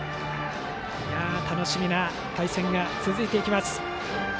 楽しみな対戦が続きます。